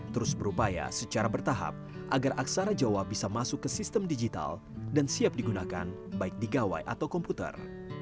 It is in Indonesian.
terus berupaya secara bertahap agar aksara jawa bisa masuk ke sistem digital dan siap digunakan baik di gawai atau komputer